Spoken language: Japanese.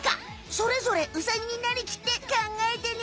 それぞれウサギになりきって考えてね！